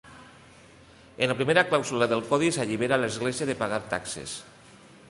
En la primera clàusula del codi s'allibera l'Església de pagar taxes.